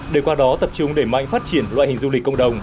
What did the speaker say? để qua đó tập trung để mạnh phát triển loại hình du lịch cộng đồng